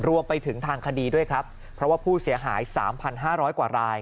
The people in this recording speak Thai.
รวมไปถึงทางคดีด้วยครับเพราะว่าผู้เสียหาย๓๕๐๐กว่าราย